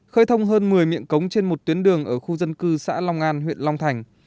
khơi thông hơn một mươi miệng cống trên một tuyến đường ở khu dân cư xã long an huyện long thành